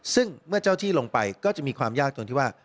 ซึ่งเมื่อเจ้าที่ลงไปก็จะมีความยากตรงที่ว่า